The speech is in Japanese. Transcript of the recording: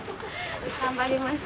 頑張ります。